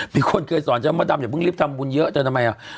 มีคนเคยสอนเจ้ามดดำอย่าเพิ่งรีบทำบุญเยอะเธอทำไมอ่ะ